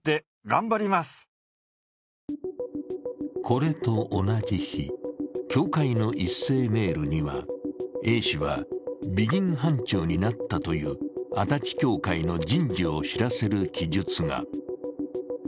これと同じ日、教会の一斉メールにはＡ氏は、びぎん班長になったという足立教会の人事を知らせる記述が。